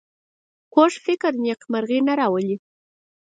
کوږ فکر نېکمرغي نه راولي